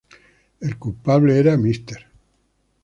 El culpable era Mr.